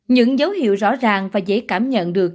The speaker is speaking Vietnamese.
những dấu hiệu rõ ràng và dễ cảm nhận được